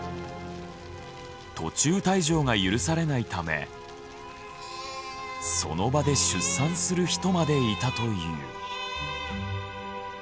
途中退場が許されないためその場で出産する人までいたという。